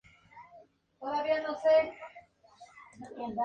Del penacho central surgen otras "hojas-plumas" más pequeñas y algunas florecillas.